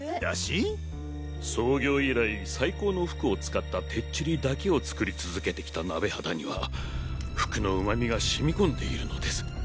創業以来最高のふくを使ったてっちりだけを作り続けてきた鍋肌にはふくの旨味がしみ込んでいるのです。